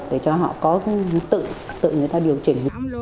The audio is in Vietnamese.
để cho họ có cái tự người ta điều chỉnh